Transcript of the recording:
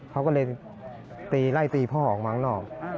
เขาก็เลยตีไล่ตีพ่อออกมาข้างนอก